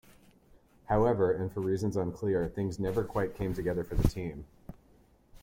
However, and for reasons unclear, things never quite came together for the team.